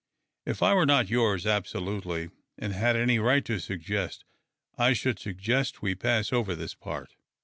" If I were not yours absolutely, and had any right to suggest, I should suggest that we pass over this part."